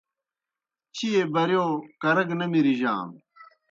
چیئے بِریؤ کرہ گہ نہ مِرِجانوْ